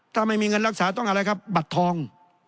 ถ้าไม่มีเงินรักษาต้องอะไรครับบัตรทอง